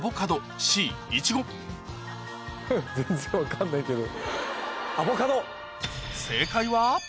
全然分かんないけど。